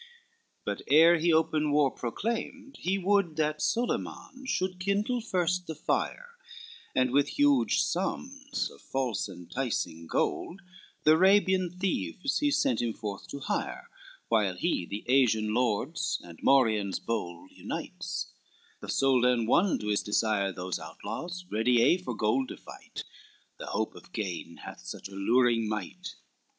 VI But, ere he open war proclaimed, he would That Solyman should kindle first the fire, And with huge sums of false enticing gold The Arabian thieves he sent him forth to hire, While he the Asian lords and Morians hold Unites; the Soldan won to his desire Those outlaws, ready aye for gold to fight, The hope of gain hath such alluring might.